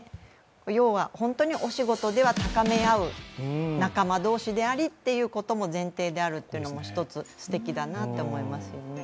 要は、本当にお仕事では高め合う仲間同士というのが前提であるというのも一つ、すてきだなと思いますよね。